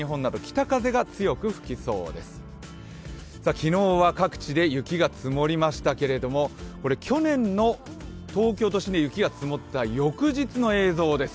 昨日は各地で雪が積もりましたけれども去年の東京都心で雪が積もった翌日の映像です。